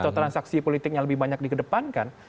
atau transaksi politiknya lebih banyak dikedepankan